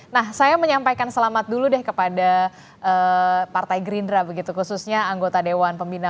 nah saya menyampaikan selamat dulu deh kepada partai gerindra begitu khususnya anggota dewan pembina